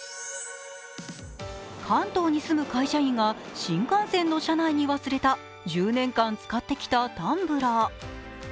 関東に住む会社員が新幹線の車内に忘れた１０年間使ってきたタンブラー。